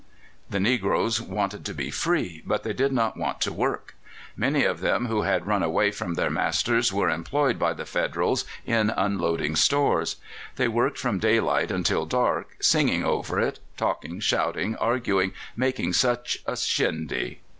The negroes wanted to be free, but they did not want to work. Many of them who had run away from their masters were employed by the Federals in unloading stores. They worked from daylight until dark, singing over it, talking, shouting, arguing, making such a shindy.